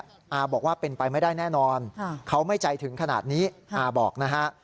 อาบอกว่าเป็นไปไม่ได้แน่นอนเขาไม่ใจถึงขนาดนี้อาบอกนะฮะ